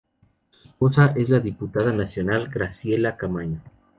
Su esposa es la diputada nacional Graciela Camaño.